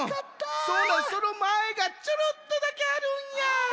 そのまえがちょろっとだけあるんや。